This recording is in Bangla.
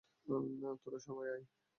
তোরা সবাই আয়।